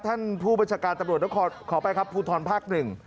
ท่านผู้บัญชาการตำรวจขอไปครับภูทรภักดิ์๑